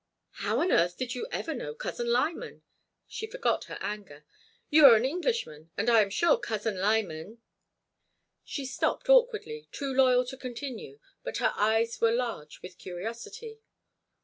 "How on earth did you ever know Cousin Lyman?" She forgot her anger. "You are an Englishman, and I am sure Cousin Lyman—" She stopped awkwardly, too loyal to continue, but her eyes were large with curiosity.